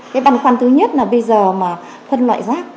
cái băn khoăn thứ nhất là bây giờ mà phân loại rác